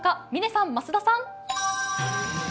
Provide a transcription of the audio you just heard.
嶺さん、増田さん。